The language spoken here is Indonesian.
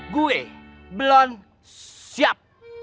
gue belum siap